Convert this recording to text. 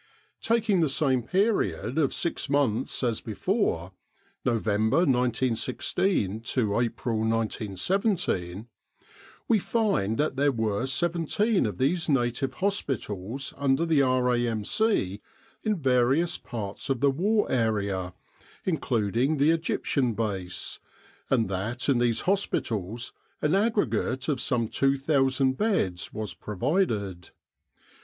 Taking the same period of six months as before November, 1916, to April, 1917 we find that there were seventeen of these native hospitals under the R.A.M.C. in various parts of the war area, including the Egyptian Base, and that in these hospitals an aggregate of some 2,000 beds was provided.